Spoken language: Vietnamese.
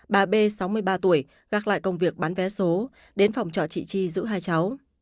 bà b sáu mươi ba tuổi gác lại công việc bán vé số đến phòng trọ chị chi giữ hai cháu